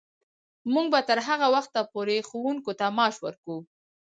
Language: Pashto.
موږ به تر هغه وخته پورې ښوونکو ته معاش ورکوو.